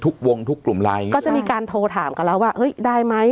ทุกวงทุกกลุ่มไลน์ก็จะมีการโทรถามกันแล้วว่าเฮ้ยได้ไหม